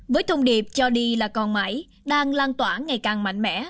với thông điệp cho đi là còn mãi đang lan tỏa ngày càng mạnh mẽ